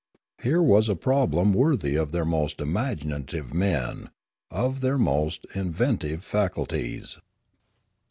Here was a problem worthy of their most imaginative men, of their most inventive faculties.